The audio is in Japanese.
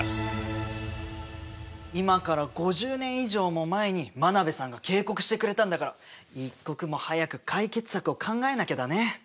今から５０年以上も前に真鍋さんが警告してくれたんだから一刻も早く解決策を考えなきゃだね。